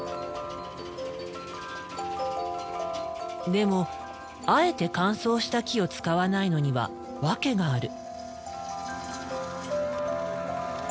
でもあえて乾燥した木を使わないのには訳がある。